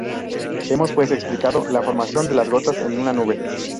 Hemos, pues, explicado la formación de las gotas en una nube.